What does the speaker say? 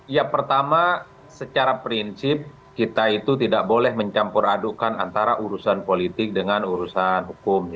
ya pertama secara prinsip kita itu tidak boleh mencampur adukan antara urusan politik dengan urusan hukum